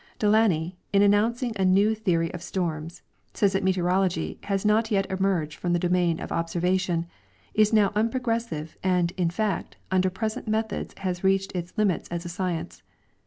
Delauney, in announcing a new theory of storms, says that meteorology has not yet emerged from the domain of observa tion, is now unprogressive, and, in fact, under present methods has reached its limits as a science.